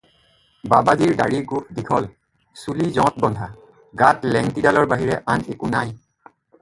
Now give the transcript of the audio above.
বাবাজীৰ দাঢ়ি-গোঁফ দীঘল, চুলি জঁট বন্ধা, গাত লেংটিডালৰ বাহিৰে আন একো নাই।